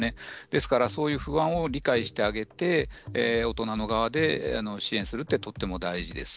ですから不安を理解してあげて大人の側で支援するというのはとても大事です。